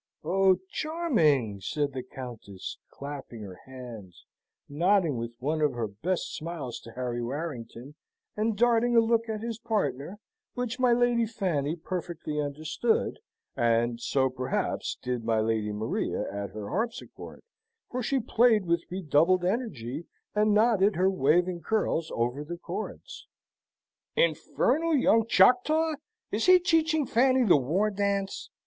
Oh, charming!" said the Countess, clapping her hands, nodding with one of her best smiles to Harry Warrington, and darting a look at his partner, which my Lady Fanny perfectly understood; and so, perhaps, did my Lady Maria at her harpsichord, for she played with redoubled energy, and nodded her waving curls, over the chords. "Infernal young Choctaw! Is he teaching Fanny the war dance?